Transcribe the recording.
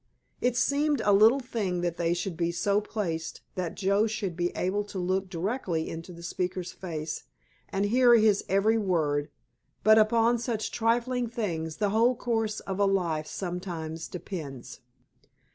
It seemed a little thing that they should be so placed that Joe should be able to look directly into the speaker's face and hear his every word, but upon such trifling things the whole course of a life sometimes depends.